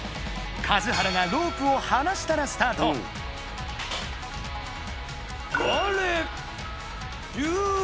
数原がロープを離したらスタート我